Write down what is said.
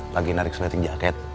lagi narik seleting jaket